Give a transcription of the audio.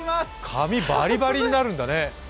髪バリバリになるんだね。